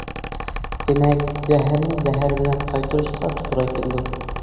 دېمەك، زەھەرنى زەھەر بىلەن قايتۇرۇشقا توغرا كېلىدۇ.